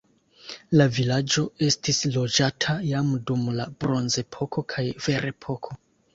La vilaĝo estis loĝata jam dum la bronzepoko kaj ferepoko.